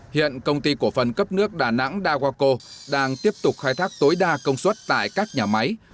hiện công ty của phần cấp nước đà nẵng đa qua cô đang tiếp tục khai thác tối đa công suất tại các nhà máy